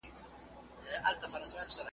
دواړي سترګي یې تړلي وې روان وو .